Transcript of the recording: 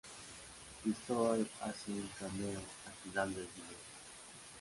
Cristóbal hace un cameo al final del video.